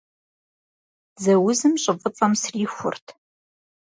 Дзэ узым щӀы фӀыцӀэм срихурт.